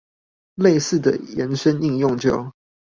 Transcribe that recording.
類似的延伸應用就